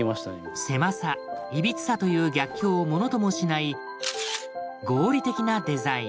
狭さ歪さという逆境をものともしない合理的なデザイン。